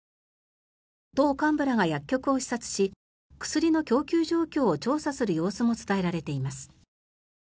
党幹部らが薬局を視察し薬の供給状況を調査する様子も伝えられています。